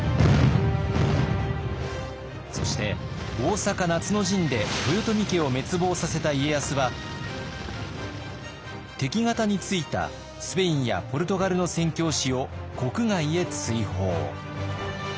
そして大坂夏の陣で豊臣家を滅亡させた家康は敵方についたスペインやポルトガルの宣教師を国外へ追放。